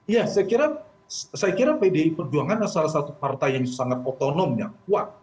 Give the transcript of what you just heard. ya saya kira pdi perjuangan adalah salah satu partai yang sangat otonom yang kuat